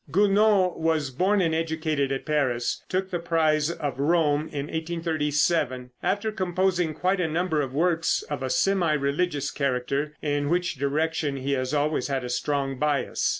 Gounod was born and educated at Paris, took the prize of Rome in 1837, after composing quite a number of works of a semi religious character, in which direction he has always had a strong bias.